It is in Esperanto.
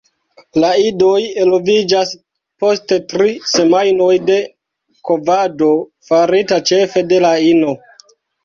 La idoj eloviĝas post tri semajnoj de kovado farita ĉefe de la ino.